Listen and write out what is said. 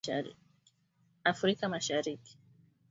Afrika Mashariki.